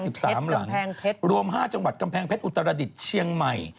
กำแพงเพชรรวม๕จังหวัดกำแพงเพชรอุตรราดิษฐ์เชียงใหม่